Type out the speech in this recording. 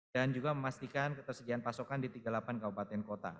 dan juga memastikan ketersediaan pasokan di tiga puluh delapan kabupaten kota